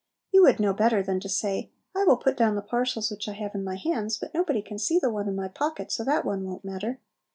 You would know better than to say, "I will put down the parcels which I have in my hands, but nobody can see the one in my pocket, so that one won't matter!"